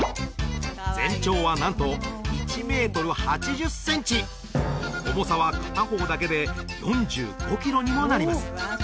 全長はなんと１メートル８０センチ重さは片方だけで４５キロにもなります